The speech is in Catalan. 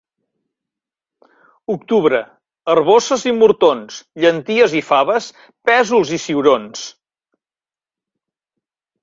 Octubre, arboces i murtons; llenties i faves; pèsols i ciurons.